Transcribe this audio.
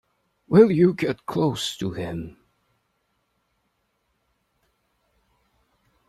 Will you get close to him?